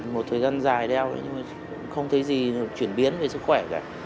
một thời gian dài đeo không thấy gì chuyển biến về sức khỏe